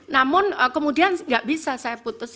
namun kemudian nggak bisa saya putus